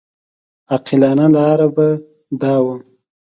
عاقلانه لاره به دا وه.